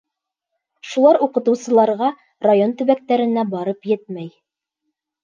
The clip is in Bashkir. Шулар уҡытыусыларға, район төбәктәренә барып етмәй.